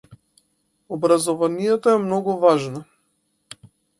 Образованието е многу важно.